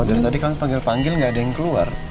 dan tadi kami panggil panggil nggak ada yang keluar